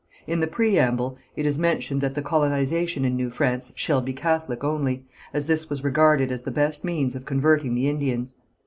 In the preamble it is mentioned that the colonization in New France shall be Catholic only, as this was regarded as the best means of converting the Indians.